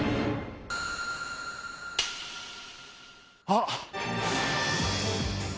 あっ！